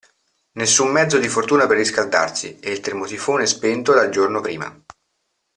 Nessun mezzo di fortuna per riscaldarsi e il termosifone spento dal giorno prima.